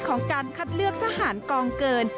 ของการคัดเลือกทหารกองเกิน